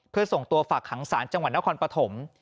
เพื่อส่งตัวฝากขังศาลจังหวัดนครปฐม